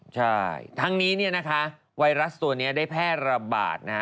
ใช่ทั้งนี้ไวรัสตัวนี้ได้แพร่ระบาด